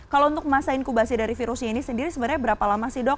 kalau untuk masa inkubasi dari virusnya ini sendiri sebenarnya berapa lama sih dok